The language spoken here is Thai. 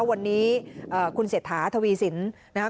วันนี้คุณเสถาทวีสินนะคะ